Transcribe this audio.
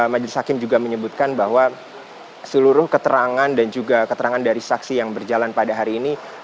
majelis hakim juga menyebutkan bahwa seluruh keterangan dan juga keterangan dari saksi yang berjalan pada hari ini